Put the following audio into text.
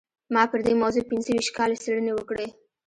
ما پر دې موضوع پينځه ويشت کاله څېړنې وکړې.